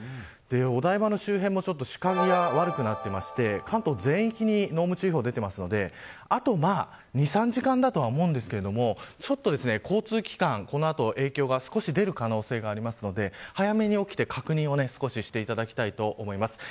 お台場の周辺も視界が悪くなっていていまして関東全域に濃霧注意報が出ているのであと２、３時間だとは思うんですけれども交通機関、この後影響が少し出る可能性があるので早めに起きて確認を少ししていただきたいと思います。